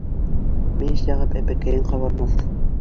Мейес яғып әпәкәйең ҡабармаҫ.